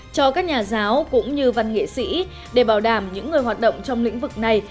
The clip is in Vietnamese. cho các nhà giáo cũng như văn nghệ sĩ để bảo đảm những người hoạt động trong lĩnh vực này